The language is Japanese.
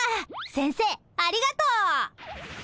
先生ありがとう。